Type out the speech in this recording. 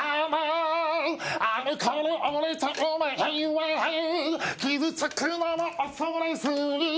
「あの頃俺とお前は傷つくのも恐れずに」